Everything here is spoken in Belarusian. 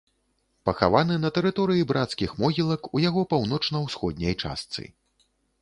Пахаваны на тэрыторыі брацкіх могілак, у яго паўночна-ўсходняй частцы.